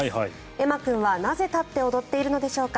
エマ君は、なぜ立って踊っているのでしょうか。